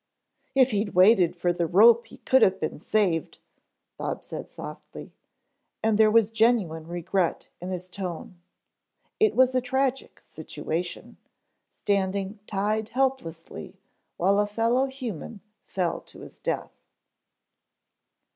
"If he'd waited for the rope he could have been saved," Bob said softly, and there was genuine regret in his tone. It was a tragic situation, standing tied helplessly while a fellow human fell to his death.